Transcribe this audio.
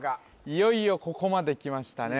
いよいよここまできましたね